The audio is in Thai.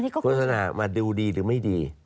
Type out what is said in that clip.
โฆษณามาดูดีหรือไม่ดี